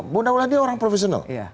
bunda ulan dia orang profesional